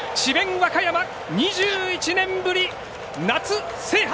和歌山、２１年ぶり夏制覇。